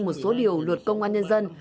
một số điều luật công an nhân dân